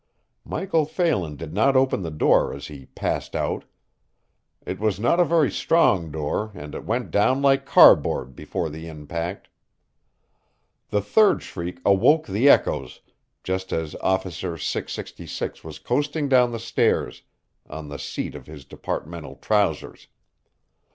Michael Phelan did not open the door as he passed out. It was not a very strong door and it went down like cardboard before the impact. The third shriek awoke the echoes just as Officer 666 was coasting down the stairs on the seat of his departmental trousers.